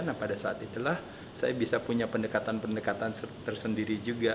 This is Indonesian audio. nah pada saat itulah saya bisa punya pendekatan pendekatan tersendiri juga